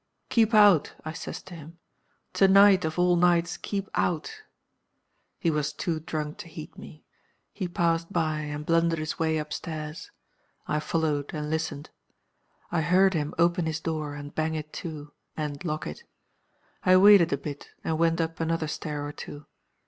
'Keep out' (I says to him); 'to night, of all nights, keep out.' He was too drunk to heed me; he passed by, and blundered his way up stairs. I followed and listened. I heard him open his door, and bang it to, and lock it. I waited a bit, and went up another stair or two.